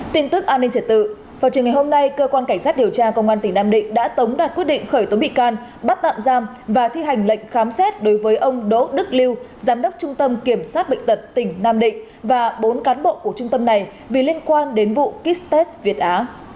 tin tức an ninh trật tự vào trường ngày hôm nay cơ quan cảnh sát điều tra công an tỉnh nam định đã tống đạt quyết định khởi tố bị can bắt tạm giam và thi hành lệnh khám xét đối với ông đỗ đức lưu giám đốc trung tâm kiểm soát bệnh tật tỉnh nam định và bốn cán bộ của trung tâm này vì liên quan đến vụ kit test việt á